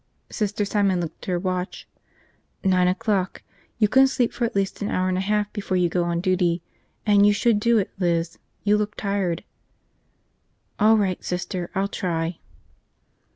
Sister Simon looked at her watch. "Nine o'clock. You can sleep for at least an hour and a half before you go on duty. And you should do it, Liz, you look tired." "All right, Sister, I'll try."